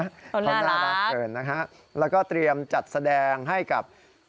เขาน่ารักเกินนะฮะแล้วก็เตรียมจัดแสดงให้กับ